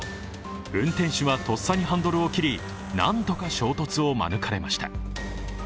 運転手はとっさにハンドルを切りなんとか衝突を免れました。